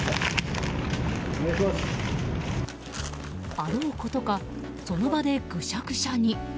あろうことかその場でぐしゃぐしゃに。